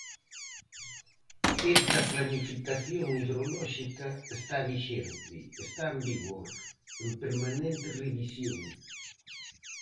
Esta planificación hidrolóxica está vixente, está en vigor, en permanente revisión.